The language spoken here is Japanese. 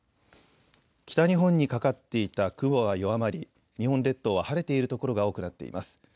北日本にかかっていた雲は弱まり、日本列島は晴れている所が多くなっています。